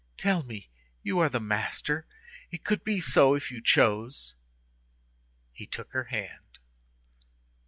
Tell me; you are the master; it could be so if you chose!" He took her hand.